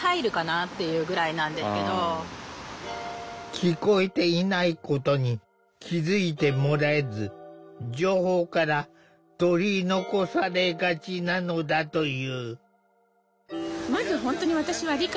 聞こえていないことに気付いてもらえず情報から取り残されがちなのだという。